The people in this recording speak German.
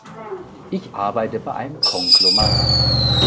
Ich arbeite bei einem Konglomerat.